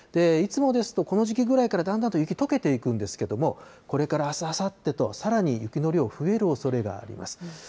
いつもですと、この時期ぐらいからだんだんと雪とけていくんですけれども、これからあす、あさってとさらに雪の量増えるおそれがあります。